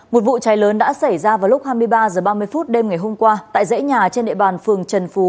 một vụ cháy lớn đã xảy ra vào lúc hai mươi ba h ba mươi phút đêm ngày hôm qua tại dãy nhà trên địa bàn phường trần phú